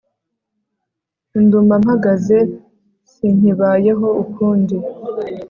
nduma mpagaze, sinkibayeho, ukundi